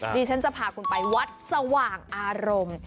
ดิฉันจะพาคุณไปวัดสว่างอารมณ์